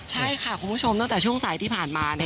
ใช่ค่ะคุณผู้ชมตั้งแต่ช่วงสายที่ผ่านมา